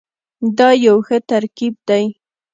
دا یو ښه ترکیب دی.